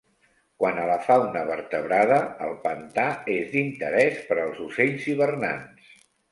Quant a la fauna vertebrada, el pantà és d'interès per als ocells hivernants.